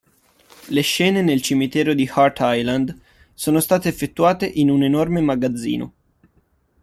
Le scene nel cimitero di "Hart Island" sono state effettuate in un enorme magazzino.